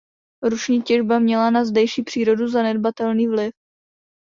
Ruční těžba měla na zdejší přírodu zanedbatelný vliv.